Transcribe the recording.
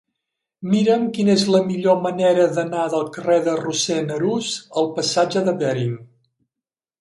Mira'm quina és la millor manera d'anar del carrer de Rossend Arús al passatge de Bering.